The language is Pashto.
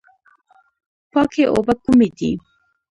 پاکې اوبه کومې دي؟